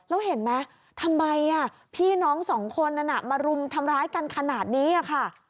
แล้วเห็นไหมทำไมพี่น้องสองคนนั้นมารุมทำร้ายกันขนาดนี้ค่ะ